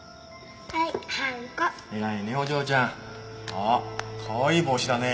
あっかわいい帽子だね。